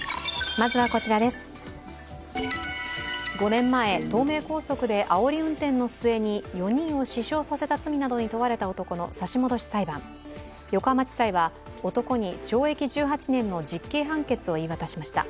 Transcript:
５年前、東名高速であおり運転の末に４人を死傷させた罪などに問われた男の差し戻し裁判横浜地裁は、男に懲役１８年の実刑判決を言い渡しました。